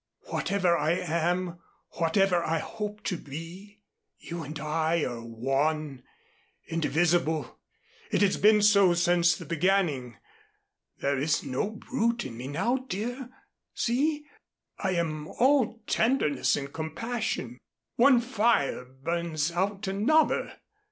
Whatever I am, whatever I hope to be, you and I are one indivisible. It has been so since the beginning. There is no brute in me now, dear. See. I am all tenderness and compassion. One fire burns out another.